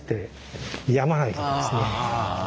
ああ。